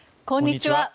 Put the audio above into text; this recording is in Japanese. こんにちは。